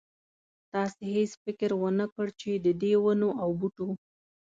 تاسې هېڅ فکر ونه کړ چې ددې ونو او بوټو.